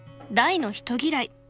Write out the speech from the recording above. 大の人嫌い。